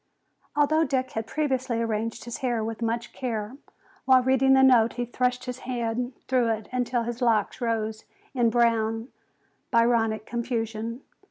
Although Dick had previously arranged his hair with much care, while reading the note he thrust his hand through it until his locks rose in brown, Byronic confusion.